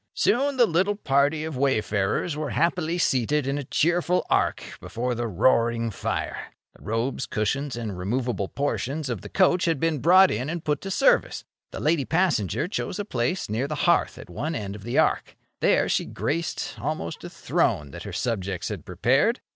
Soon the little party of wayfarers were happily seated in a cheerful arc before the roaring fire. The robes, cushions, and removable portions of the coach had been brought in and put to service. The lady passenger chose a place near the hearth at one end of the arc. There she graced almost a throne that her subjects had prepared.